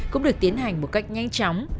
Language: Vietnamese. cũng được tiến hành một cách nhanh chóng